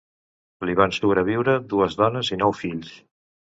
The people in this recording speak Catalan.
Li van sobreviure dues dones i nou fills.